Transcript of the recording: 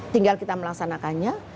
tinggal kita melaksanakannya